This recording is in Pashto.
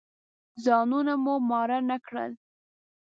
ځانونه مو ماړه نه کړل.